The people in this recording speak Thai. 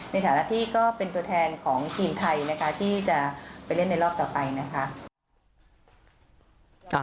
ในฐานะที่ก็เป็นตัวแทนของทีมไทยนะคะที่จะไปเล่นในรอบต่อไปนะคะ